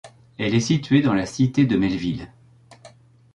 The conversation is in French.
Elle est située dans la Cité de Melville.